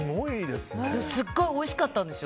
すごくおいしかったんですよ。